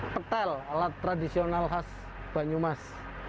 petel alat tradisional khas banyumas